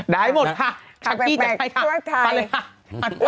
ใดหมดค่ะชั้นพี่จะได้ค่ะไปเลยค่ะค่ะแปลกทั่วไทย